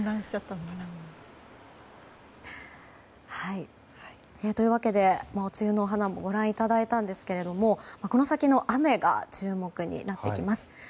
もう梅雨の花もご覧いただいたんですけれどもこの先の雨が注目になってきます。